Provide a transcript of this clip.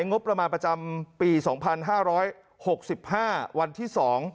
งบประมาณประจำปี๒๕๖๕วันที่๒